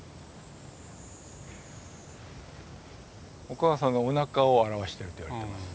お母さんのおなかを表してると言われてます。